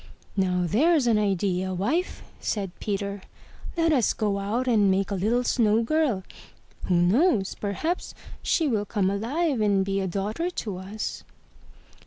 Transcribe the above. ''Now, there's an idea, wife," said Peter. Let us go out and make a little snow girl. Who knows? — perhaps she will come alive and be a daughter to us!''